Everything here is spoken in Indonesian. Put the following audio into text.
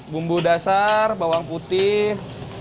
bumbu dasar bawang putih